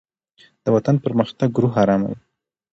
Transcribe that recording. دوطن پرمختګ روح آراموي